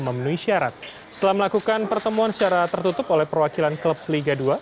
memenuhi syarat setelah melakukan pertemuan secara tertutup oleh perwakilan klub liga dua